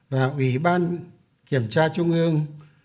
và ủy ban kiểm tra trung ương